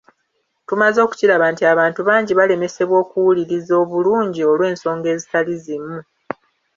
Tumaze okukiraba nti abantu bangi balemesebwa okuwuliriza obulungi olw’ensonga ezitali zimu.